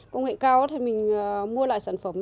công nghệ cao thì mình mua lại sản phẩm